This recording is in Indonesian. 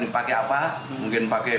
pakai apa mungkin pakai